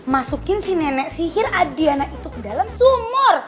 masukin si nenek sihir adiana itu ke dalam sumur